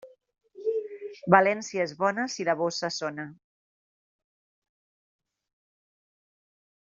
València és bona si la bossa sona.